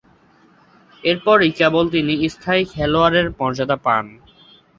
এরপরই কেবল তিনি স্থায়ী খেলোয়াড়ের মর্যাদা পান।